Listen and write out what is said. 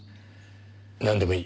なんでもいい。